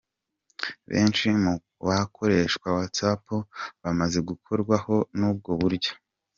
Benshi mu bakoresha WhatsApp bamaze kugerwaho n’ubwo buryo.